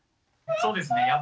そうですね